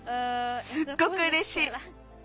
すっごくうれしい。